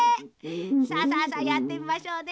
さあさあさあやってみましょうね。